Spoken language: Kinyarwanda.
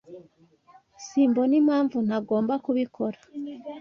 Simbona impamvu ntagomba kubikora.